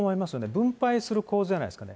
分配する構図じゃないですかね。